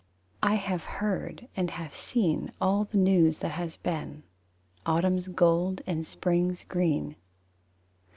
I have heard and have seen All the news that has been: Autumn's gold and Spring's green!